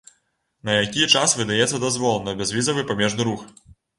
На які час выдаецца дазвол на бязвізавы памежны рух?